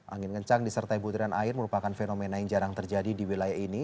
angin kencang disertai butiran air merupakan fenomena yang jarang terjadi di wilayah ini